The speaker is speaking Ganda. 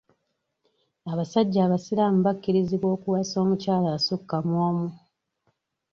Abasajja abasiraamu bakkirizibwa okuwasa omukyala asukka mu omu.